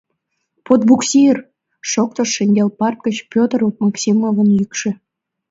— Под буксир! — шоктыш шеҥгел парт гыч Петр Максимовын йӱкшӧ.